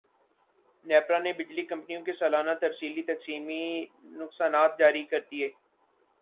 نیپرا نے بجلی کمپنیوں کے سالانہ ترسیلی تقسیمی نقصانات جاری کردیئے